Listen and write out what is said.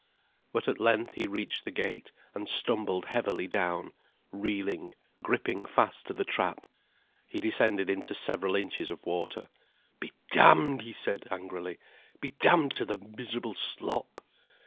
But at length he reached the gate, and stumbled heavily down, reeling, gripping fast to the trap. He descended into several inches of water. "Be damned!" he said angrily. "Be damned to the miserable slop."